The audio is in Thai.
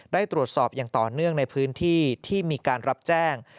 ได้ตรวจสอบอย่างต่อเนื่องในพื้นที่ที่มีการรับแจ้ง